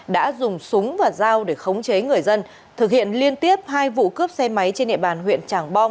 đã dùng súng và dao để khống chế người dân thực hiện liên tiếp hai vụ cướp xe máy trên địa bàn huyện tràng bom